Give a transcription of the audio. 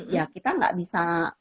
ya kita gak bisa